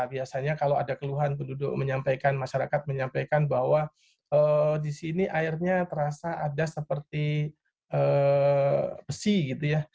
biasanya kalau ada keluhan penduduk menyampaikan masyarakat menyampaikan bahwa di sini airnya terasa ada seperti besi gitu ya